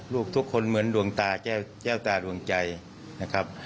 ลูกทุกคนเหมือนดวงตาแก้วตาดวงใจนะครับ